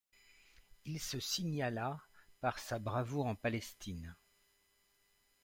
Il se signala par sa bravoure en Palestine.